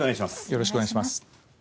よろしくお願いします。